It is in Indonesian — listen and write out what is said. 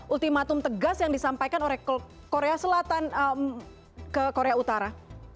ultimatum tegas yang disampaikan oleh korea selatan ke korea utara